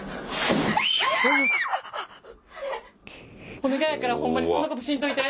お願いやからホンマにそんなことしんといて！